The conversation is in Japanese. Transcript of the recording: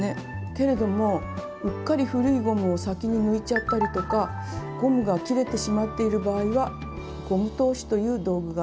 けれどもうっかり古いゴムを先に抜いちゃったりとかゴムが切れてしまっている場合はゴム通しという道具があると便利ですね。